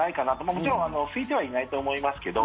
もちろん、すいてはいないと思いますけど。